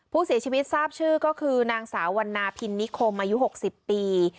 ผู้เสียชีวิตทราบชื่อก็คือนางสาววันนาพินนิคมอายุ๖๐ปี